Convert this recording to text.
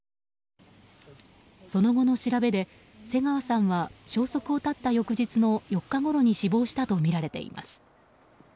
その後の調べで、瀬川さんは消息を絶った翌日の４日ごろに死亡したとみられています。